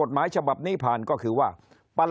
คนในวงการสื่อ๓๐องค์กร